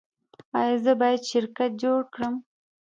ایا زه باید شرکت جوړ کړم؟